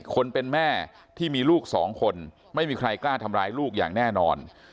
คนเป็นแม่ที่มีลูกสองคนไม่มีใครกล้าทำร้ายลูกอย่างแน่นอน